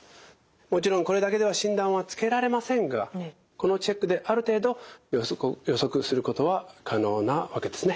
もちろんこれだけでは診断はつけられませんがこのチェックである程度予測することは可能なわけですね。